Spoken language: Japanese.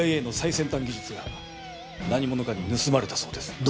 ＣＩＡの最先端技術が何者かに盗まれたそうです。